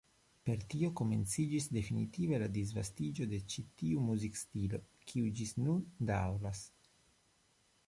Per tio komenciĝis definitive la disvastiĝo de ĉi tiu muzikstilo, kiu ĝis nun daŭras.